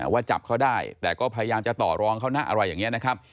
ว่าจับเขาได้แต่ก็พยายามจะต่อรองเขานะอะไรอย่างนี้นะครับ